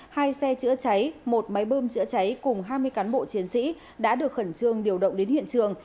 hai xe chữa cháy một máy bơm chữa cháy cùng hai mươi cán bộ chiến sĩ đã được khẩn trương điều động đến hiện trường